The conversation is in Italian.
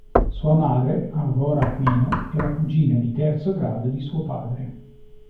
Sua madre, Aurora Aquino, era cugina di terzo grado di suo padre.